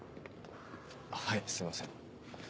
はいすいません。